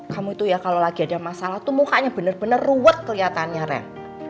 kamu itu ya kalau lagi ada masalah tuh mukanya bener bener ruwet keliatannya ren